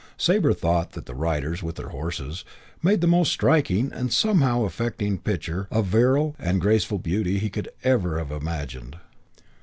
Sabre thought that the riders, with their horses, made the most striking, and somehow affecting picture of virile and graceful beauty he could ever have imagined.